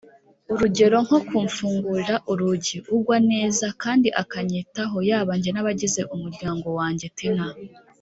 urugero nko kumfungurira urugi ugwa neza kandi akanyitaho yaba jye n abagize umuryango wanjye Tina